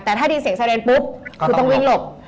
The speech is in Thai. แต่ถ้าได้เสียงแสดงปุ๊บคือต้องลิ่งหลบ